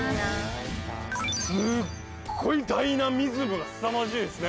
すっごいダイナミズムがすさまじいですね